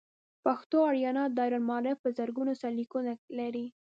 پښتو آریانا دایرة المعارف په زرګونه سرلیکونه لري.